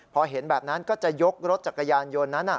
พอเห็นแบบนั้นก็จะยกรถจักรยานยนต์นั้น